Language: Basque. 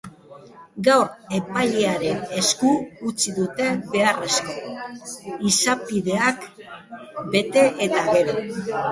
Gaur epailearen esku utzi dute beharrezko izapideak bete eta gero.